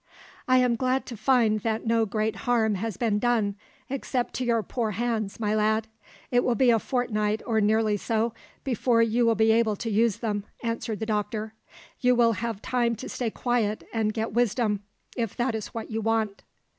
"I am glad to find that no great harm has been done except to your poor hands, my lad. It will be a fortnight, or nearly so, before you will be able to use them," answered the doctor. "You will have time to stay quiet and get wisdom, if that is what you want."